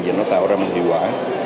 và nó tạo ra một hiệu quả